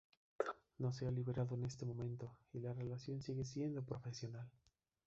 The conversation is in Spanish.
No se ha liberado en este momento, y la relación sigue siendo profesional.